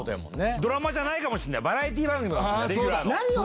ドラマじゃないかもしんないバラエティーかもレギュラーの。